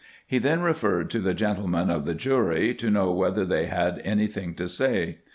He then referred to the gentlemen of the jury, to know whether they had any thing to say.